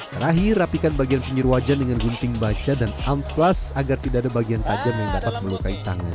terakhir rapikan bagian pinggir wajan dengan gunting baca dan amplas agar tidak ada bagian tajam yang dapat melukai tangan